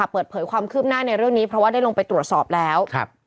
เปิดเผยความคืบหน้าในเรื่องนี้เพราะว่าได้ลงไปตรวจสอบแล้ว